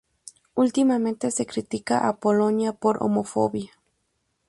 Últimamente, se critica a Polonia por homofobia.